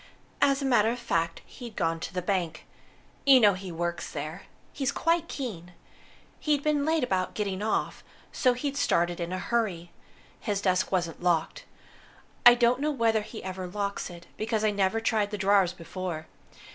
As a matter of fact, he'd gone to the bank. You know he works there. He's quite keen. He'd been late about getting off, so he'd started in a hurry. His desk wasn't locked. I don't know whether he ever locks it, because I never tried the drawers before.